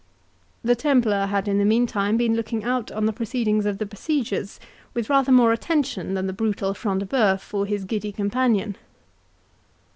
The Templar had in the meantime been looking out on the proceedings of the besiegers, with rather more attention than the brutal Front de Bœuf or his giddy companion.